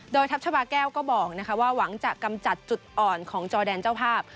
โดยทัพชาบาแก้วก็บอกว่าหวังจะกำจัดจุดอ่อนของจอแดนเจ้าภาพ